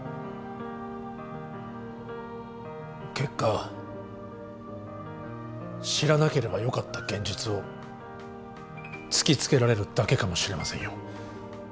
結果知らなければよかった現実を突きつけられるだけかもしれませんよ